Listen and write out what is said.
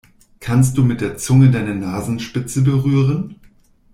Kannst du mit der Zunge deine Nasenspitze berühren?